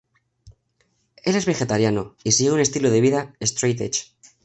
Él es vegetariano y sigue un estilo de vida "straight edge".